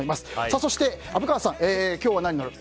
そして虻川さん、今日はなに乗る？